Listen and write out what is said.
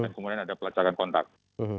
dan juga ada pengetahuan tentang kontak tracing